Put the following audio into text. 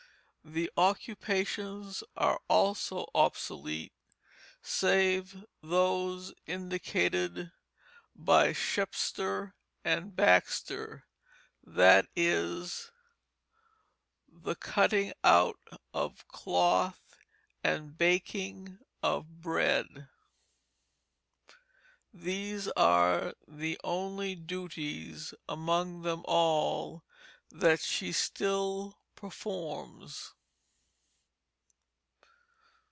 The occupations are also obsolete save those indicated by shepster and baxter that is, the cutting out of cloth and baking of bread; these are the only duties among them all that she still performs.